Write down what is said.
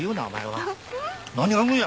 何が「ん」や。